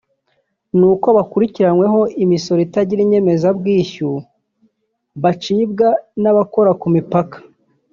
ni uko bakurirwaho imisoro itagira inyemeza bwishyu bacibwa n’abakora ku mipaka